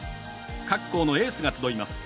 各校のエースが集います。